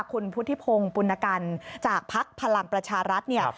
คุณพุทธิพงศ์ปุณกันจากภักดิ์พลังประชารัฐเนี่ย